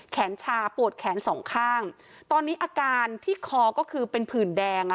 ชาปวดแขนสองข้างตอนนี้อาการที่คอก็คือเป็นผื่นแดงอ่ะ